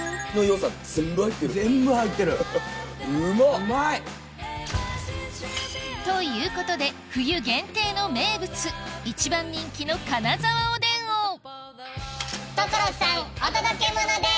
うまい！ということで冬限定の名物一番人気の金沢おでんを所さんお届けモノです！